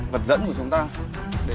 vật dẫn của chúng ta để